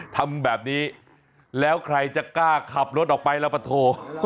ทำแบบนี้แล้วใครจะกล้าขับรถออกไปแล้วปะโถ